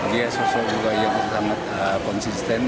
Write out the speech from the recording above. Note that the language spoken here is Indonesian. dia sosok juga yang sangat konsisten